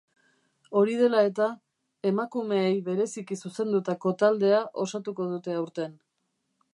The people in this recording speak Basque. Hori dela eta, emakumeei bereziki zuzendutako taldea osatuko dute aurten.